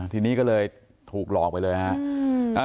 ทีนี้ก็เลยถูกหลอกไปเลยครับ